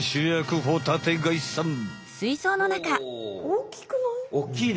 大きくない？